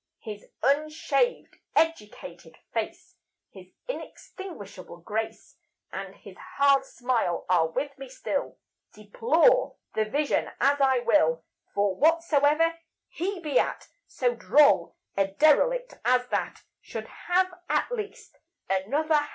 His unshaved, educated face, His inextinguishable grace, And his hard smile, are with me still, Deplore the vision as I will; For whatsoever he be at, So droll a derelict as that Should have at least another hat.